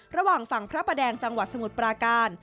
ระหว่างฝั่งพระประแดงจังหวัดสมุทรปราการ